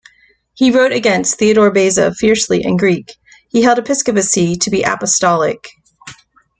He wrote against Theodore Beza fiercely in Greek; he held episcopacy to be apostolic.